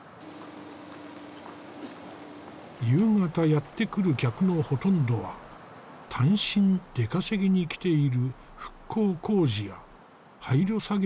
夕方やって来る客のほとんどは単身出稼ぎに来ている復興工事や廃炉作業の現場作業員だ。